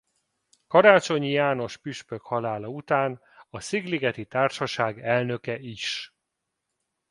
Karácsonyi János püspök halála után a Szigligeti Társaság elnöke is.